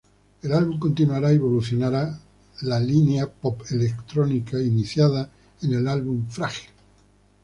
El álbum continuará y evolucionará la línea pop-electrónica iniciada en el álbum "Frágil".